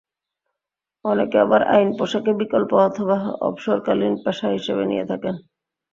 অনেকে আবার আইন পেশাকে বিকল্প অথবা অবসরকালীন পেশা হিসেবে নিয়ে থাকেন।